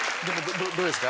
どうですか？